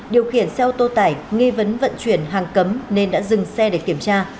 điều khiển xe ô tô tải nghi vấn vận chuyển hàng cấm nên đã dừng xe để kiểm tra